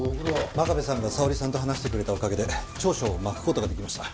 真壁さんがさおりさんと話してくれたおかげで調書を巻く事ができました。